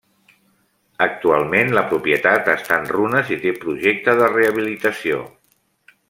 Actualment la propietat està en runes i té projecte de rehabilitació.